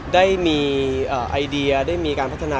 ได้มีไอเดียได้มีการพัฒนา